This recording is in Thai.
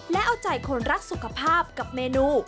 และเอาใจคนรักสุขภาพกับเมนู